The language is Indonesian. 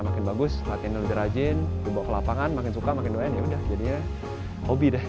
makin bagus latihannya lebih rajin dibawa ke lapangan makin suka makin doyan ya udah jadinya hobi deh